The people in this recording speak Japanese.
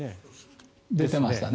出てましたね。